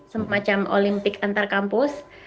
semacam olimpik antar kampus